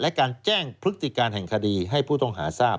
และการแจ้งพฤติการแห่งคดีให้ผู้ต้องหาทราบ